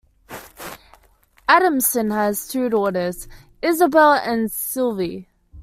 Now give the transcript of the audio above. Adamson has two daughters, Isabelle and Sylvie.